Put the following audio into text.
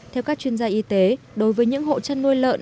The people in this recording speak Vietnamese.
theo các chuyên gia y tế đối với những hộ chăn nuôi lợn